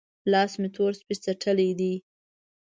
لاس مې تور سپۍ څټلی دی؟